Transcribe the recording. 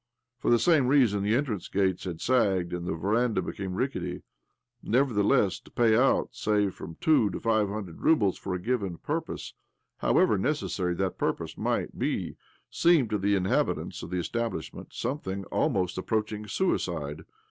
For the same reason the entrance gates had sagged, and the veranda become rickety. Nevertheless, to pay out, say, from two to five hundred roubles for a given purpose, however necessary that purpose might be, seemed to the inhabitants of the establishment something almost approaching suicide.